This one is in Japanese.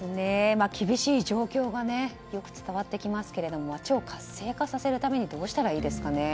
厳しい状況はよく伝わってきますけれども町を活性化させるためにどうしたらいいですかね。